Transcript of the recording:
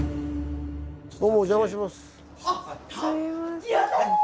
どうもお邪魔します。